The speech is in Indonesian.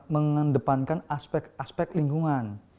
mengandepankan aspek aspek lingkungan